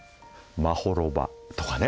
「まほろば」とかね。